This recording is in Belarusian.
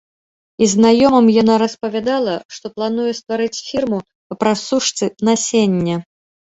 Знаёмым яна распавядала, што плануе стварыць фірму па прасушцы насення.